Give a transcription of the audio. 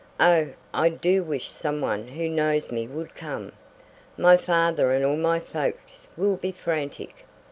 Oh, I do wish some one who knows me would come! My father and all my folks will be frantic.